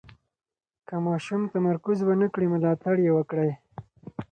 که ماشوم تمرکز ونه کړي، ملاتړ یې وکړئ.